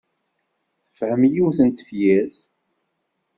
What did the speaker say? Tefhem yiwet n tefyirt.